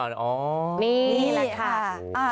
นี่แหละค่ะ